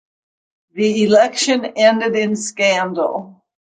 The election ended in scandal.